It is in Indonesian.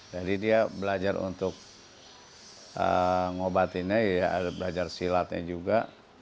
jadi dia belajar untuk ngobatinnya ya belajar silatnya juga